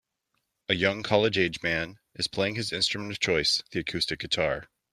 A young, college age man, is playing his instrument of choice the acoustic guitar.